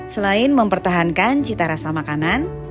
selain mempertahankan cita rasa makanan